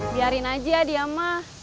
biarin aja dia mah